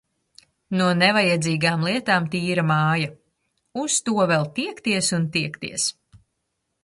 No nevajadzīgām lietām tīra māja—uz to vēl tiekties un tiekties.